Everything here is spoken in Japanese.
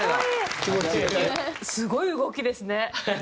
すごい動きですね！